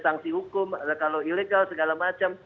sanksi hukum kalau ilegal segala macam